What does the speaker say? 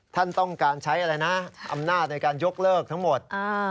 ท่านต้องการใช้อะไรนะอำนาจในการยกเลิกทั้งหมด